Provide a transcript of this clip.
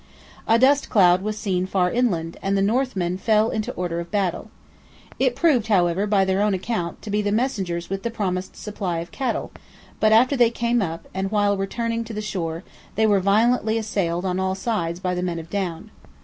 A dust cloud was seen far inland, and the Northmen fell into order of battle. It proved, however, by their own account to be the messengers with the promised supply of cattle; but, after they came up, and while returning to the shore, they were violently assailed on all sides by the men of Down.